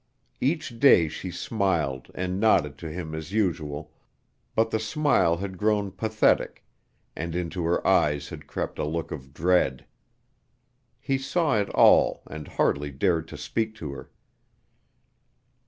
Each day she smiled and nodded to him as usual; but the smile had grown pathetic, and into her eyes had crept a look of dread. He saw it all, and hardly dared speak to her.